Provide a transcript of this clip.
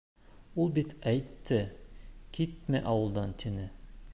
Ул бит әйтте, китмә ауылдан, тине.